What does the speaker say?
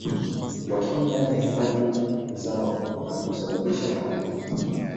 wakiwa ndani ya hifadhi zao na kusababisha hali